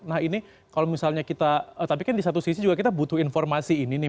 nah ini kalau misalnya kita tapi kan di satu sisi juga kita butuh informasi ini nih